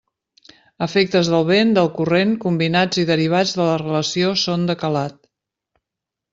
Efectes del vent, del corrent, combinats i derivats de la relació sonda calat.